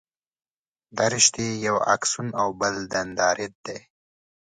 دا رشتې یو اکسون او بل دنداریت دي.